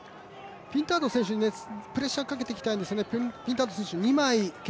ピンタード選手にプレッシャーをかけていきたいんですよね。